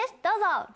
どうぞ！